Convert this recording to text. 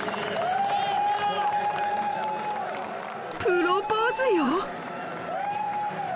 プロポーズよ！